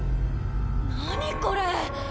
何⁉これ。